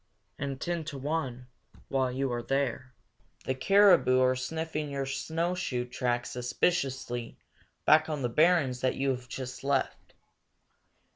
And, ten to one, while you are there, the caribou are sniffing your snowshoe track suspiciously back on the barrens that you have just left.